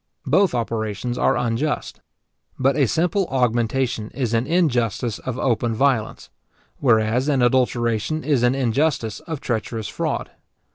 Both operations are unjust. But a simple augmentation is an injustice of open violence; whereas an adulteration is an injustice of treacherous fraud.